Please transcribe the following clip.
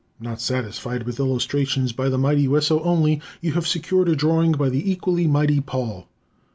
Not satisfied with illustrations by the mighty Wesso only, you have secured a drawing by the equally mighty Paul!